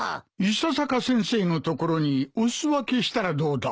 伊佐坂先生のところにお裾分けしたらどうだ？